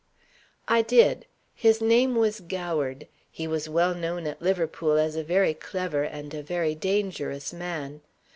"I did. His name was Goward. He was well known at Liverpool as a very clever and a very dangerous man.